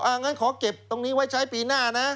งั้นขอเก็บตรงนี้ไว้ใช้ปีหน้านะ